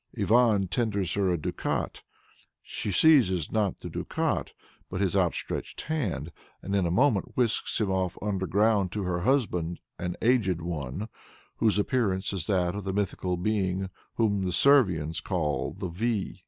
Ivan tenders her a ducat. She seizes, not the ducat, but his outstretched hand, and in a moment whisks him off underground to her husband, an Aged One, whose appearance is that of the mythical being whom the Servians call the Vy.